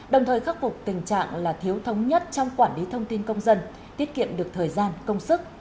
đồng thời khắc phục tình trạng là thiếu thống nhất trong quản lý thông tin công dân tiết kiệm được thời gian công sức